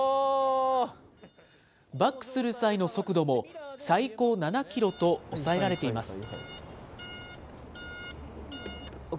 バックする際の速度も最高７キロと抑えられています。